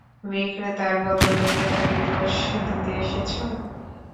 বিক্রেতার বদলে ক্রেতাকে দোষ দিতে এসেছো!